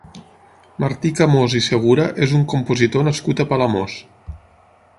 Martí Camós i Segura és un compositor nascut a Palamós.